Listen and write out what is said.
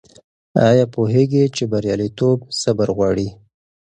آیا پوهېږې چې بریالیتوب صبر غواړي؟